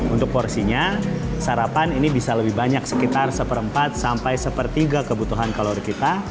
untuk porsinya sarapan ini bisa lebih banyak sekitar satu per empat sampai satu per tiga kebutuhan kalori kita